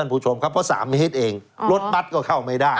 เพราะ๓เมตรเองรถบัตรก็เข้าไม่ได้